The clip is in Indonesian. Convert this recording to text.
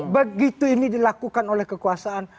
begitu ini dilakukan oleh kekuasaan